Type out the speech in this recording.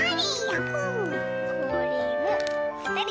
これもぺたり。